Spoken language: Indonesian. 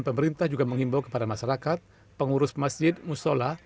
pemerintah juga mengimbau kepada masyarakat pengurus masjid musola